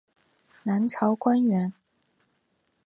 南朝官员。